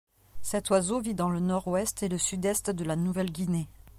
Cet oiseau vit dans le nord-ouest et le sud-est de la Nouvelle-Guinée.